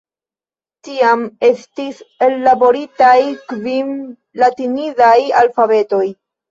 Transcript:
Tiam estis ellaboritaj kvin latinidaj alfabetoj.